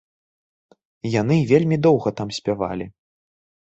Яны вельмі доўга там спявалі.